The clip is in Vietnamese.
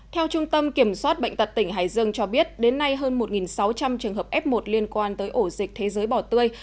theo trung tâm kiểm soát bệnh tật tỉnh hải dương cho biết đến nay hơn một sáu trăm linh trường hợp f một liên quan tới ổ dịch thế giới bỏ tươi